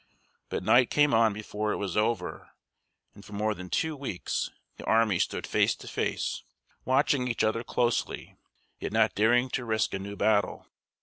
But night came on before it was over, and for more than two weeks the armies stood face to face, watching each other closely, yet not daring to risk a new battle.